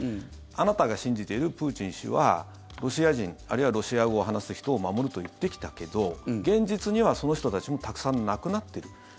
あなたが信じているプーチン氏はロシア人あるいはロシア語を話す人を守ると言ってきたけど現実にはその人たちもたくさん亡くなってる。